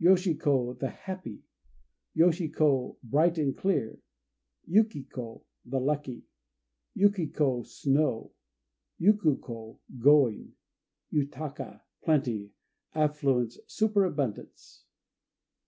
Yoshi ko "The Happy." Yoshi ko "Bright and Clear." Yuki ko "The Lucky." Yuki ko "Snow." Yuku ko "Going." Yutaka "Plenty," affluence, superabundance.